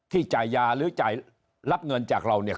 จ่ายยาหรือจ่ายรับเงินจากเราเนี่ย